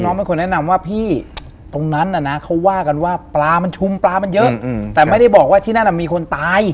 เป็นคนแนะนำว่าพี่ตรงนั้นน่ะนะเขาว่ากันว่าปลามันชุมปลามันเยอะแต่ไม่ได้บอกว่าที่นั่นมีคนตาย